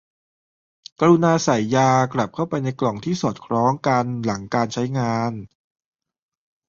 กรุณาใส่ยากลับเข้าไปในกล่องที่สอดคล้องกันหลังการใช้งาน